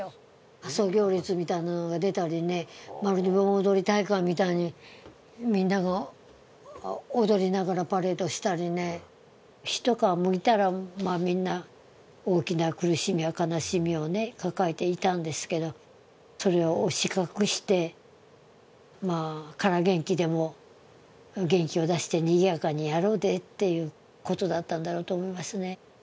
仮装行列みたいなのが出たり、盆踊り大会みたいにみんなが踊りながらパレードしたりね、一皮むいたら、みんな大きな苦しみや悲しみを抱えていたんですけど、それを押し隠して空元気でも元気を出してにぎやかにやろうということだったんだろうと思いますね。